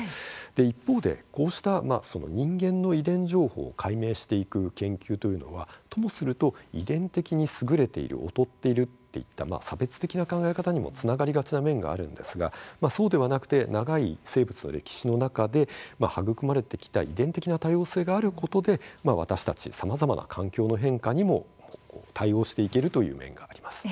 一方で、こうした人間の遺伝情報を解明していく研究というのは、ともすると遺伝的に優れている、劣っているといった差別的な考え方にもつながりがちな面があるんですがそうではなくて長い生物の歴史の中で育まれてきた遺伝的な多様性があることで私たち、さまざまな環境の変化にも対応していけるという面があります。